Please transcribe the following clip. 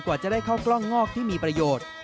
กว่าจะได้เข้ากล้องงอกที่มีประโยชน์